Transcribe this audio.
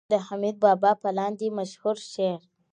د حميد بابا په لاندې مشهور شعر